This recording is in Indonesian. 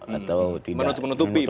menutupi begitu ya